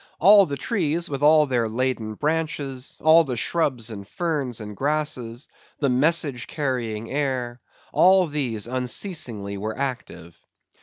All the trees, with all their laden branches; all the shrubs, and ferns, and grasses; the message carrying air; all these unceasingly were active.